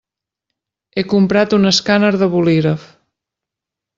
He comprat un escàner de bolígraf.